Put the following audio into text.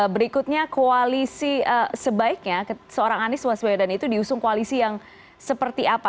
berikutnya koalisi sebaiknya seorang anies waswedan itu diusung koalisi yang seperti apa